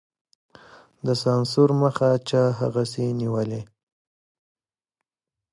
د سانسور مخه چا هغسې نېولې.